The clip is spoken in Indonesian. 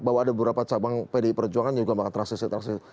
bahwa ada beberapa cabang pdi perjuangan yang juga makan transisi transisi